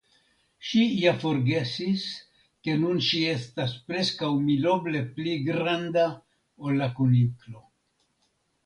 Ŝi ja forgesis ke nun ŝi estas preskaŭ miloble pli granda ol la Kuniklo.